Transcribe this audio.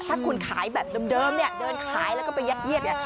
ถ้าคุณขายแบบเดิมเนี่ยเดินขายแล้วก็ไปยัดเยียดเนี่ย